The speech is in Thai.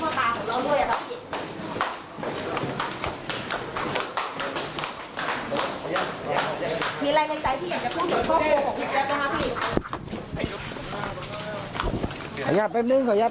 นั่นใครเอาปืนไปด้วยจะเอาไปฆ่าเลยไหม